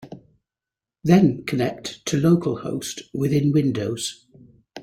Then connect to localhost within Windows.